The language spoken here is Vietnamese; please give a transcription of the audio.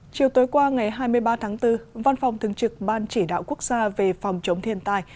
chiều tối qua ngày hai mươi ba tháng bốn văn phòng thường trực ban chỉ đạo quốc gia về phòng chống thiên tai